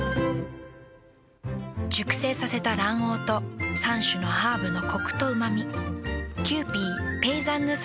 熟成させた卵黄と３種のハーブのコクとうま味。